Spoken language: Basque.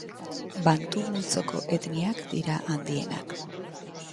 Bantu multzoko etniak dira handienak.